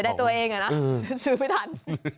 เจอได้ตัวเองนะซื้อไม่ทัน